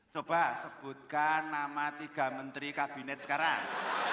coba sebutkan nama tiga menteri kabinet sekarang